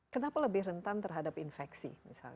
kenapa lebih rentan terhadap infeksi